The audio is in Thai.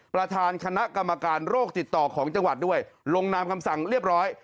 ประธานคณะกรรมการโรคติดต่อของจังหวัดด้วยลงนามคำสั่งเรียบร้อย